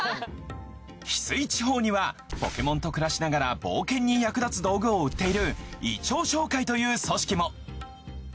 ヒスイ地方にはポケモンと暮らしながら冒険に役立つ道具を売っているイチョウ商会という組織も。